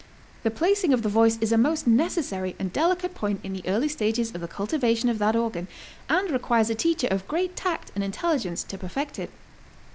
The placing of the voice is a most necessary and delicate point in the early stages of the cultivation of that organ, and requires a teacher of great tact and intelligence to perfect it.